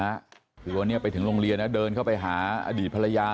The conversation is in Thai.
อ่านี่ครับครับอันนี้ไปถึงโรงเรียนนะเดินเข้าไปหาอดีตภรรยา